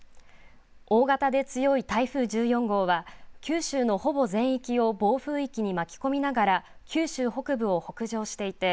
大型で強い台風１４号は九州のほぼ全域を暴風域に巻き込みながら九州北部を北上していて